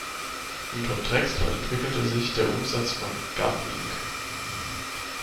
Unter Drexler entwickelte sich der Umsatz von Gap, Inc.